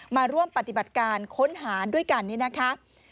มาร่วมปฏิบัติการค้นหาด้วยกันนี่นะคะ